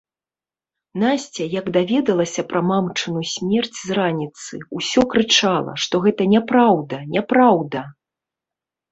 Насця як даведалася пра мамчыну смерць з раніцы, усё крычала, што гэта няпраўда, няпраўда!